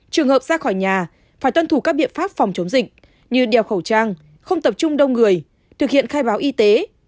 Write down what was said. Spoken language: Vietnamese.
trường hợp ra khỏi nhà phải tuân thủ các biện pháp phòng chống dịch như đeo khẩu trang không tập trung đông người thực hiện khai báo y tế